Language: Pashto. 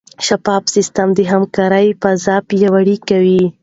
شفاف سیستم د همکارۍ فضا پیاوړې کوي.